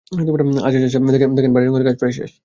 আরে চাচা, দেখেন বাড়ী রঙের কাজ প্রায় শেষ।